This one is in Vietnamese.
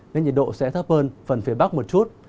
nên nhiệt độ sẽ thấp hơn phần phía bắc một chút